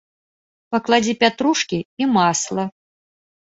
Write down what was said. Пакладзі пятрушкі і масла.